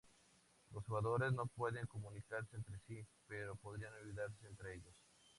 Los jugadores no pueden comunicarse entre sí, pero podrán ayudarse entre ellos.